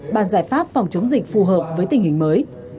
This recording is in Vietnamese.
bàn giải pháp phòng chống dịch phù hợp với tình hình mới